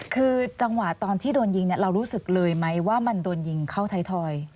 คือจังหวะตอนที่โดนยิงเรารู้สึกเลยไหมว่ามันโดนยิงเข้าไทยทอย